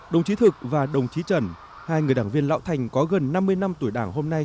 đồng chí thực và đồng chí trần hai người đảng viên lão thành có gần năm mươi năm tuổi đảng hôm nay